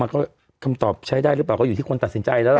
ก็คำตอบใช้ได้หรือเปล่าก็อยู่ที่คนตัดสินใจแล้วล่ะ